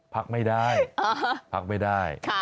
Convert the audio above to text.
พักไม่ได้พักไม่ได้